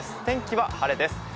天気は晴れです。